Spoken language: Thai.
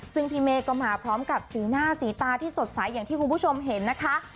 ซึ่งพี่เมฆก็มาพร้อมกับสีหน้าสีตาที่สดใสอย่างที่คุณผู้ชมเห็นนะคะ